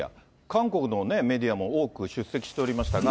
韓国のメディアも多く出席しておりましたが。